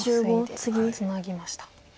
ツナぎました。